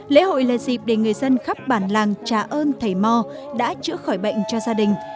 lễ hội là dịp để người dân khắp bản làng trà ơn thầy mo đã chữa khỏi bệnh cho gia đình